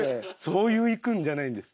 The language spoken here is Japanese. そういうイクんじゃないんです。